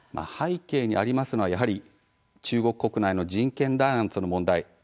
背景にありますのはやはり中国国内の人権弾圧の問題